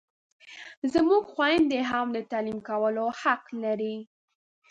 زموږ خویندې هم د تعلیم کولو حق لري!